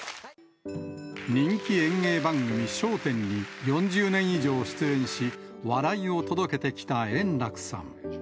人気演芸番組、笑点に４０年以上出演し、笑いを届けてきた円楽さん。